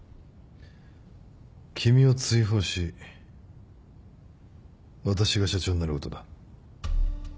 君を追放し私が社長になることだ。